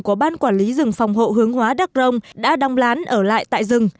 của ban quản lý rừng phòng hộ hướng hóa đắc rông đã đong lán ở lại tại rừng